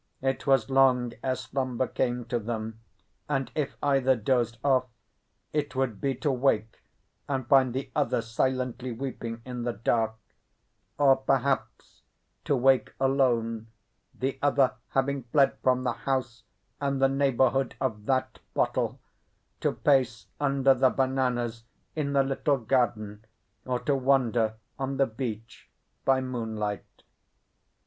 It was long ere slumber came to them, and, if either dozed off, it would be to wake and find the other silently weeping in the dark, or, perhaps, to wake alone, the other having fled from the house and the neighbourhood of that bottle, to pace under the bananas in the little garden, or to wander on the beach by moonlight.